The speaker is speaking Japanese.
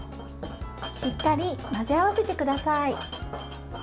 しっかり混ぜ合わせてください。